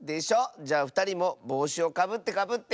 じゃあふたりもぼうしをかぶってかぶって。